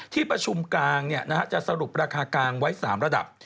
ที่ประชุมกลางจะสรุปราคากลางไว้๓ระดับ